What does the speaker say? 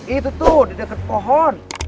itu tuh di dekat pohon